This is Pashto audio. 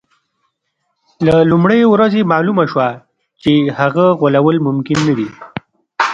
له لومړۍ ورځې معلومه شوه چې هغه غولول ممکن نه دي.